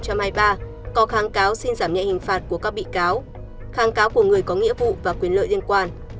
có kháng cáo xin giảm nhẹ hình phạt của các bị cáo kháng cáo của người có nghĩa vụ và quyền lợi liên quan